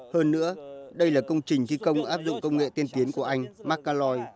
hơn nữa đây là công trình thi công áp dụng công nghệ tiên tiến của anh mark calloy